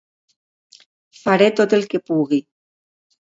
Faré tot el que pugui.